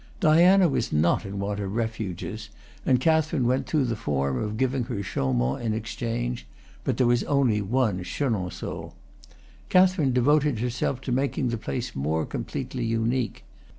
Diana was not in want of refuges, and Catherine went through the form of giving her Chaumont in exchange; but there was only one Chenonceaux. Catherine devoted herself to making the place more completely unique.